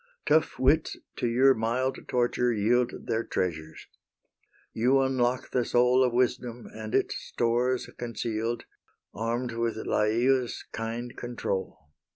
Tough wits to your mild torture yield Their treasures; you unlock the soul Of wisdom and its stores conceal'd, Arm'd with Lyaeus' kind control.